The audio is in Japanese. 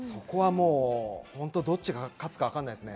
そこは、もうどっちが勝つかわからないですね。